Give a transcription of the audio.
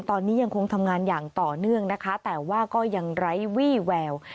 ตอนนี้ยังคงทำงานอย่างต่อเนื่องนะคะแต่ว่าก็ยังไร้วี่แวว